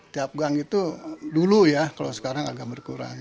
tiap gang itu dulu ya kalau sekarang agak berkurang